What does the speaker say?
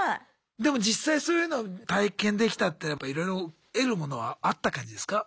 でも実際そういうのを体験できたっていうのはやっぱいろいろ得るものはあった感じですか？